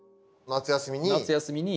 夏休みに。